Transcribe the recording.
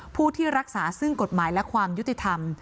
ผู้ที่รักษาซึ่งกฎหมายและความยุติธรรม